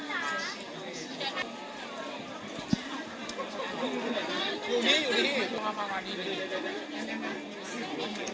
มีผู้ขึ้นกระติ้งต่อไปอยู่แล้ว